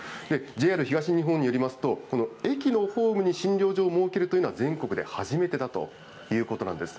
ＪＲ東日本によりますと、この駅のホームに診療所を設けるというのは、全国で初めてだということなんです。